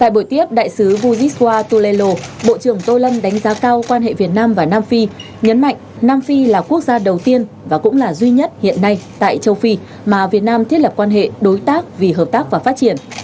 bộ trưởng tô lâm đánh giá cao quan hệ việt nam và nam phi nhấn mạnh nam phi là quốc gia đầu tiên và cũng là duy nhất hiện nay tại châu phi mà việt nam thiết lập quan hệ đối tác vì hợp tác và phát triển